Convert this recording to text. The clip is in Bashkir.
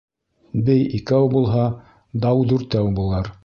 Бей икәү булһа, дау дүртәү булыр.